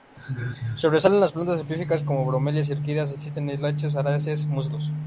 Sobresalen las plantas epífitas como bromelias y orquídeas; existen helechos, aráceas y musgos.